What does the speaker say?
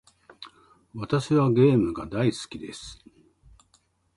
私はゲームが大好きです。